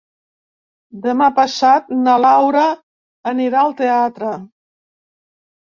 Demà passat na Laura anirà al teatre.